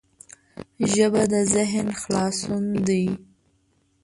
ژبه د ذهن خلاصون دی